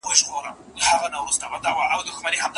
که پانګه بنده شي نو کارونه به ودرېږي.